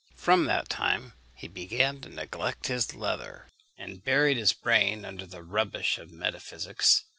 From that time he began to neglect his leather, and buried his brain under the rubbish of metaphysics.